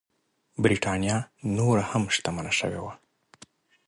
برېټانیا نوره هم شتمنه شوې وه.